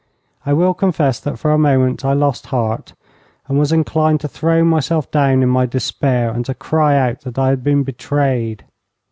I will confess that for a moment I lost heart, and was inclined to throw myself down in my despair, and to cry out that I had been betrayed.